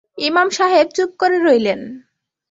ইমাম সাহেব চুপ করে রইলেন।